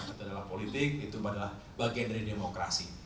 kita dalam politik itu adalah bagian dari demokrasi